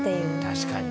確かにね。